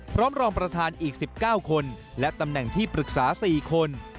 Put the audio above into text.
รองประธานอีก๑๙คนและตำแหน่งที่ปรึกษา๔คน